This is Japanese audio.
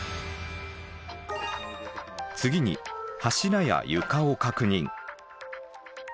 次に柱や床を確認。